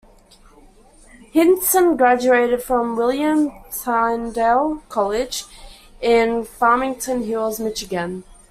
Hindson graduated from William Tyndale College in Farmington Hills, Michigan.